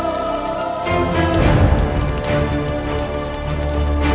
ibu dinda aku mohon ibu dinda yang sabar